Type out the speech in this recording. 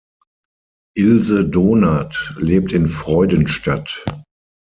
Ilse Donath lebt in Freudenstadt.